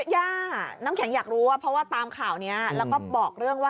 ย่าน้ำแข็งอยากรู้ว่าเพราะว่าตามข่าวนี้แล้วก็บอกเรื่องว่า